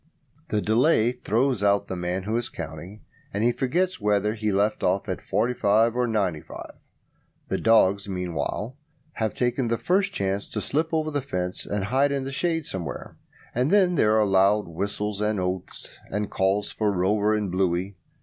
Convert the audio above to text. The delay throws out the man who is counting, and he forgets whether he left off at 45 or 95. The dogs, meanwhile, have taken the first chance to slip over the fence and hide in the shade somewhere, and then there are loud whistlings and oaths, and calls for Rover and Bluey.